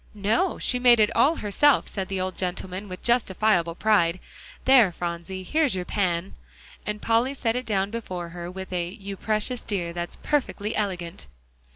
"No; she made it all herself," said the old gentleman, with justifiable pride. "There, Phronsie, here's your pan," as Polly set it down before her with a "You precious dear, that's perfectly elegant!"